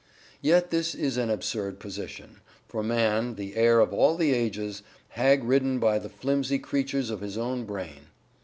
"Yet this is an absurd position for man, the heir of all the ages: hag ridden by the flimsy creatures of his own brain.